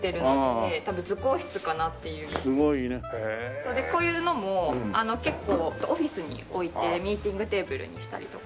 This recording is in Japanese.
それでこういうのも結構オフィスに置いてミーティングテーブルにしたりとか。